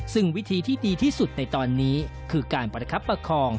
ซึ่งวิธีที่ดีที่สุดในตอนนี้คือการประคับประคอง